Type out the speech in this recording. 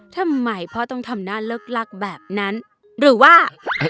ทำไมพ่อต้องทำหน้าเลิกลักแบบนั้นหรือว่า